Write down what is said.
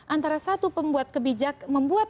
antara satu membuat